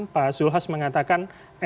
pak zulhas mengatakan